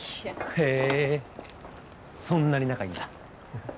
へぇそんなに仲いいんだははっ。